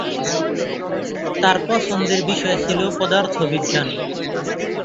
তার পছন্দের বিষয় ছিল পদার্থবিজ্ঞান।